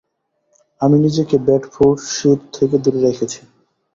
আমি নিজেকে বেডফোর্ডশির থেকে দুরে রেখেছি।